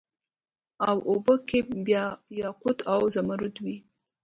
او اوبو کي به یاقوت او زمرود وي